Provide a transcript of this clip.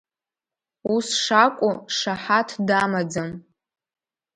Ус шакәу шаҳаҭ дамаӡам.